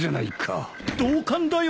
同感だよ